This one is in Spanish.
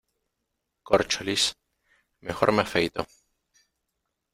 Córcholis, mejor me afeito.